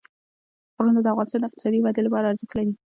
غرونه د افغانستان د اقتصادي ودې لپاره ارزښت لري.